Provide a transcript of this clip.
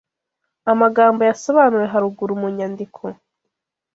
amagambo yasobanuwe haruguru munyandiko